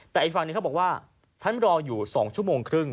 แต่ไอ้ฝ่านนี้เขาบอกว่าฉันรออยู่สองชั่วโมงครึ่ง